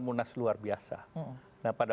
munas luar biasa nah pada